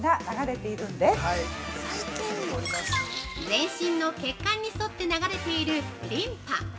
◆全身の血管に沿って流れているリンパ。